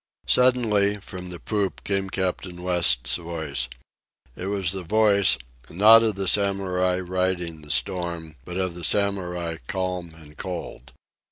Suddenly, from the poop, came Captain West's voice. It was the voice, not of the Samurai riding the storm, but of the Samurai calm and cold.